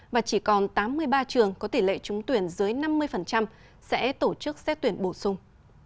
và chỉ còn tám mươi ba trường có tỷ lệ trúng tuyển dưới năm mươi sẽ tổ chức xét tuyển bổ sung